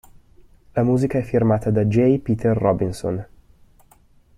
La musica è firmata da J. Peter Robinson.